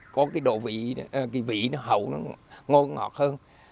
có cái vị hậu ngon ngọt hơn